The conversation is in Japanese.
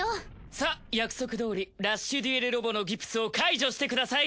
さぁ約束どおりラッシュデュエルロボのギプスを解除してください。